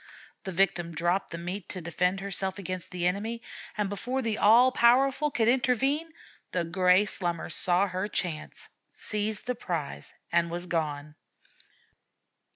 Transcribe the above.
The victim dropped the meat to defend herself against the enemy, and before the 'all powerful' could intervene, the gray Slummer saw her chance, seized the prize, and was gone.